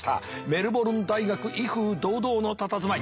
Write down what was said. メルボルン大学威風堂々のたたずまい。